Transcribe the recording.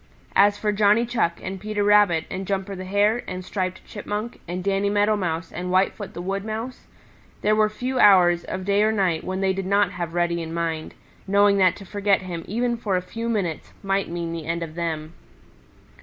As for Johnny Chuck and Peter Rabbit and Jumper the Hare and Striped Chipmunk and Danny Meadow Mouse and Whitefoot the Wood Mouse, there were few hours of day or night when they did not have Reddy in mind, knowing that to forget him even for a few minutes might mean the end of them.